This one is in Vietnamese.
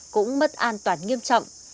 cũng mất an toàn nghiêm trọng